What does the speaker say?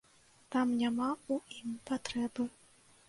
Там няма ў ім патрэбы.